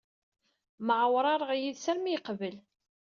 Mɛewrareɣ yid-s armi ay yeqbel.